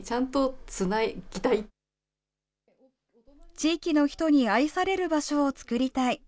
地域の人に愛される場所を作りたい。